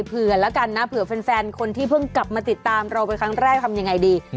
เผื่อแล้วกันนะเผื่อแฟนคนที่เพิ่งกลับมาติดตามเราไปครั้งแรกทำยังไงดี